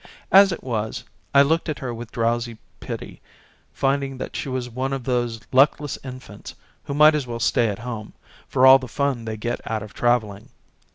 As it was, I looked at her with drowsy pity, finding that she was one of those luck less infants who might as well stay at home for all the fun they get out of travelling.